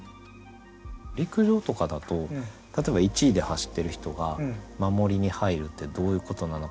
陸上とかだと例えば１位で走ってる人が守りに入るってどういうことなのかなって。